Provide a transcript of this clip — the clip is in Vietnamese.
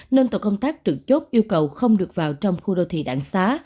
nên tổ công tác trượt chốt yêu cầu không được vào trong khu đô thị đảng xá